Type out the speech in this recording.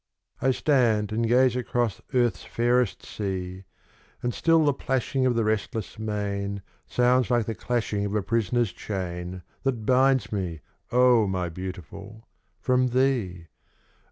I stand and gaze across Earth's fairest sea, And still the plashing of the restless main, Sounds like the clashing of a prisoner's chain, That binds me, oh! my Beautiful, from thee.